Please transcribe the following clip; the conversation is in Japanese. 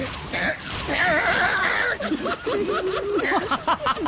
ハハハハ。